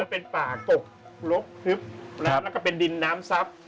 เป็นป่ากกลกทึบแล้วก็เป็นดินน้ำซับ